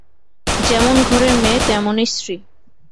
যেমন ঘরের মেয়ে তেমনি শ্রী।